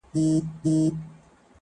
• بېگناه به قصاصېږي په بازار كي -